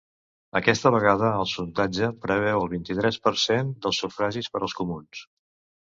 Aquesta vegada, el sondatge preveu el vint-i-tres per cent dels sufragis per als comuns.